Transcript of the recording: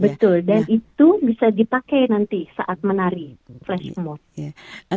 betul dan itu bisa dipakai nanti saat menari fresh amod